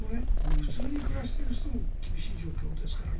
普通に暮らしている人も厳しい状況ですから。